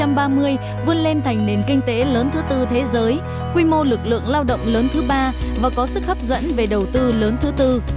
năm hai nghìn ba mươi vươn lên thành nền kinh tế lớn thứ tư thế giới quy mô lực lượng lao động lớn thứ ba và có sức hấp dẫn về đầu tư lớn thứ tư